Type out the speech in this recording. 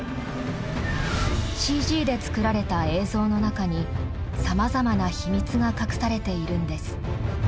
ＣＧで作られた映像の中にさまざまな秘密が隠されているんです。